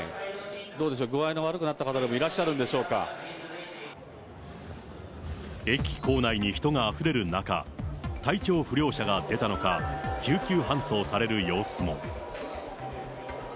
どうでしょう、具合の悪くなった駅構内に人があふれる中、体調不良者が出たのか、救急搬送される様子も。